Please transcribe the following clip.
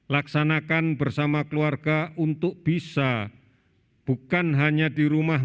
laksanakan bersama keluarga untuk bisa bukan hanya di rumah